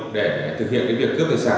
để thực hiện cái việc cướp tài sản